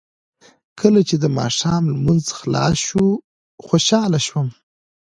کله چې د ماښام لمونځ خلاص شو خوشاله شو.